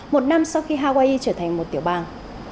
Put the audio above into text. một năm sau khi hawaii trở thành một tiểu bang